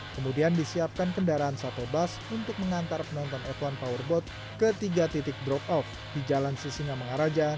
kemudian disiapkan kendaraan sate bus untuk mengantar penonton f satu powerboat ke tiga titik drop off di jalan sisinga mengaraja